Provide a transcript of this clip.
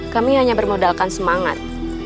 kami hanya bermodalkan semangat